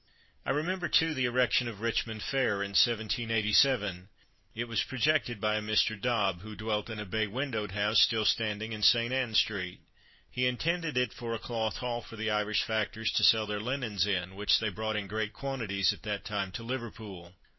I remember, too, the erection of Richmond Fair, in 1787. It was projected by a Mr. Dobb, who dwelt in a bay windowed house still standing in St. Anne street. He intended it for a Cloth Hall for the Irish factors to sell their linens in, which they brought in great quantities at that time to Liverpool.